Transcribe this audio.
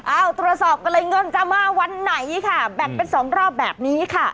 เอาตรวจสอบกันเลยเงินจะมาวันไหนค่ะแบ่งเป็นสองรอบแบบนี้ค่ะ